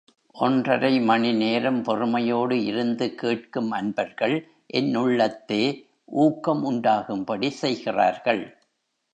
ஒன்றரை மணி நேரம் பொறுமையோடு இருந்து கேட்கும் அன்பர்கள் என் உள்ளத்தே ஊக்கம் உண்டாகும்படி செய்கிறார்கள்.